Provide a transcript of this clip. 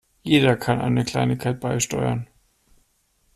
Jeder kann eine Kleinigkeit beisteuern.